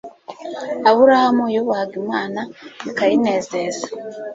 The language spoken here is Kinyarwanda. Aburahamu yubahaga IMANA bikayinezeza